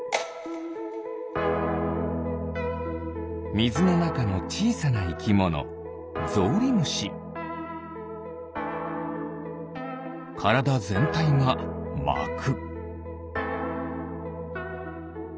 みずのなかのちいさないきものからだぜんたいがまく。